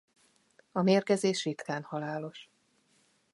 A mérgezés ritkán halálos.